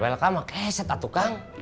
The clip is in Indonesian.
welcome oke setatuk kang